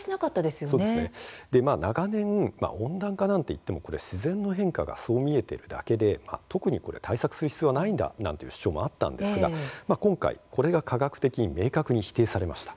長年、温暖化なんて言っても自然の変化がそう見えているだけで特に対策する必要はないという主張もあったんですが今回これが科学的に明確に否定されました。